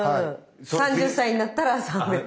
３０歳になったら３００円。